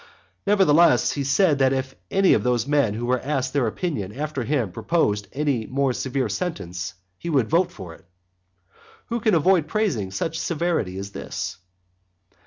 nevertheless, he said that if any of those men who were asked their opinion after him proposed any more severe sentence, he would vote for it. Who can avoid praising such severity as this?